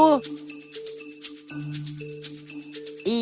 iya dia luar biasa